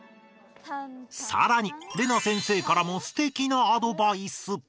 さらにレナ先生からもすてきなアドバイス。